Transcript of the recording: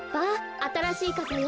あたらしいかさよ。